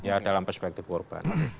ya dalam perspektif korban